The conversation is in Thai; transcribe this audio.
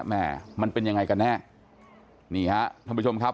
แม่มันเป็นยังไงกันแน่นี่ฮะท่านผู้ชมครับ